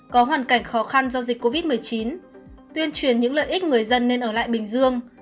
có hoàn cảnh khó khăn do dịch covid một mươi chín tuyên truyền những lợi ích người dân nên ở lại bình dương